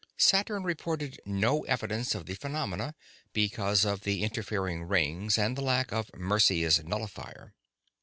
Saturn reported no evidence of the phenomena, because of the interfering rings and the lack of Mercia's nullifier.